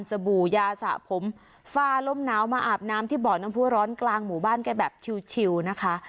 บู่ยาสะผมฝ่าลมหนาวมาอาบน้ำที่บ่อน้ำผู้ร้อนกลางหมู่บ้านแกแบบชิวนะคะ